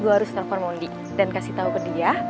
gue harus telepon mondi dan kasih tahu ke dia